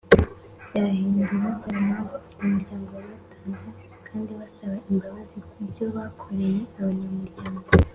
byahinduwe kubera impamvu abanyamuryango batanze kandi basaba imbabazi kubyo bakoreye abanyamuryango